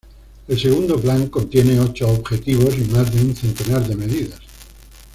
El segundo plan contiene ocho objetivos y más de un centenar de medidas.